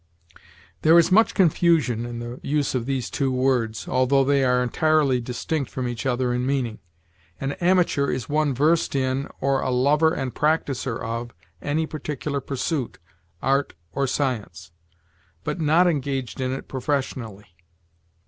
There is much confusion in the use of these two words, although they are entirely distinct from each other in meaning. An amateur is one versed in, or a lover and practicer of, any particular pursuit, art, or science, but not engaged in it professionally.